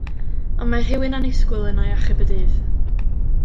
Ond mae rhywun annisgwyl yno i achub y dydd.